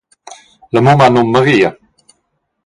La mumma ha num Maria.